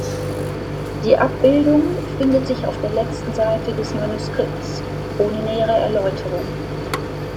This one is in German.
Die Abbildung findet sich auf der letzten Seite des Manuskripts, ohne nähere Erläuterung.